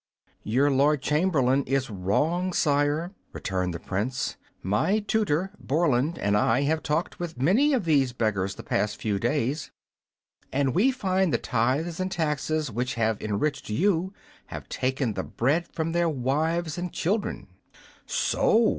"Your Lord Chamberlain is wrong, sire," returned the Prince; "my tutor, Borland, and I have talked with many of these beggars the past few days, and we find the tithes and taxes which have enriched you have taken the bread from their wives and children." "So!"